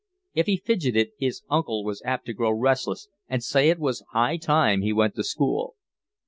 If he fidgeted his uncle was apt to grow restless and say it was high time he went to school.